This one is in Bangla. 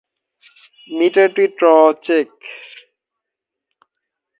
মিটারটি ট্রচেক।